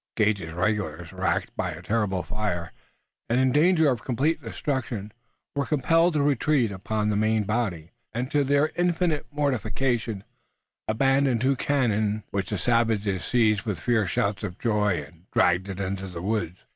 Gage's regulars, raked by a terrible fire, and in danger of complete destruction, were compelled to retreat upon the main body, and, to their infinite mortification, abandon two cannon, which the savages seized with fierce shouts of joy and dragged into the woods.